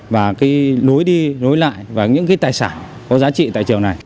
và cái lối đi lối lại và những cái tài sản có giá trị tại chiều này